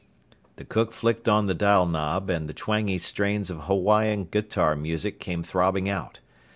The cook flicked on the dial knob and the twangy strains of Hawaiian guitar music came throbbing out.